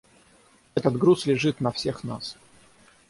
Этот груз лежит на всех нас.